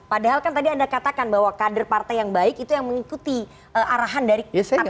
padahal kan tadi anda katakan bahwa kader partai yang baik itu yang mengikuti arahan dari partai